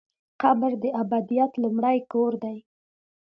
قبر د ابدیت لومړی کور دی